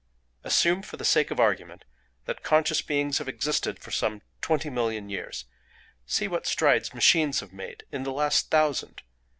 Assume for the sake of argument that conscious beings have existed for some twenty million years: see what strides machines have made in the last thousand!